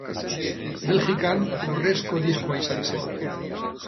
Belgikan urrezko diskoa izan zen.